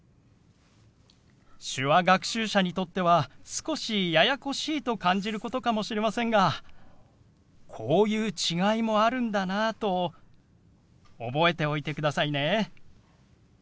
手話学習者にとっては少しややこしいと感じることかもしれませんがこういう違いもあるんだなと覚えておいてくださいね。